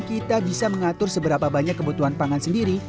kita bisa mengatur seberapa banyak kebutuhan pangan sendiri